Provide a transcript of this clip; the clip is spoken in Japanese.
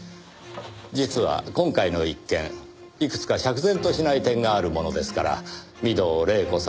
実は今回の一件いくつか釈然としない点があるものですから御堂黎子さん